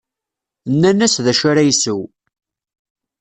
Nnan-as d acu ara isew.